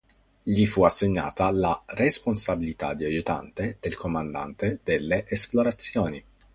Gli fu assegnata la responsabilità di aiutante del comandante delle esplorazioni.